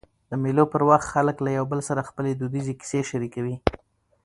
د مېلو پر وخت خلک له یو بل سره خپلي دودیزي کیسې شریکوي.